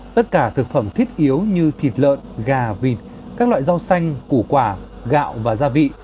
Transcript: tất cả thực phẩm thiết yếu như thịt lợn gà vịt các loại rau xanh củ quả gạo và gia vị